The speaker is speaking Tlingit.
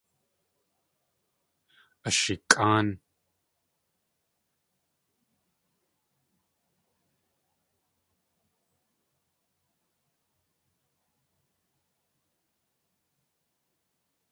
Ashikʼáan.